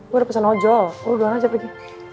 gue ada pesan ojol lo gimana aja pergi